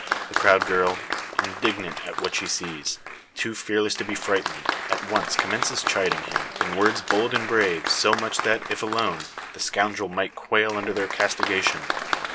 The proud girl, indignant at what she sees, too fearless to be frightened, at once commences chiding him. In words bold and brave, so much that, if alone, the scoundrel might quail under their castigation.